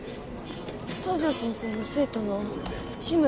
東条先生の生徒の志村です。